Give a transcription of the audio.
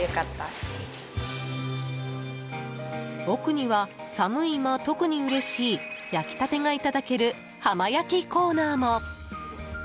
奥には寒い今、特にうれしい焼きたてがいただける浜焼きコーナーも。